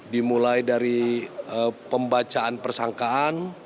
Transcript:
dimulai dari pembacaan persangkaan